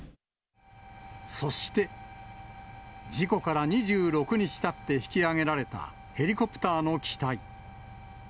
そして、事故から２６日たって引き揚げられたヘリコプターの機体。